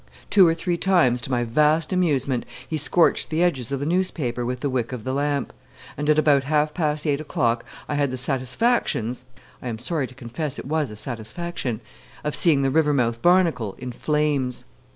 Two or three times, to my vast amusement, he scorched the edges of the newspaper with the wick of the lamp; and at about half past eight o'clock I had the satisfactions I am sorry to confess it was a satisfaction of seeing the Rivermouth Barnacle in flames.